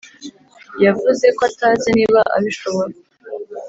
yavuze ko atazi niba abishobora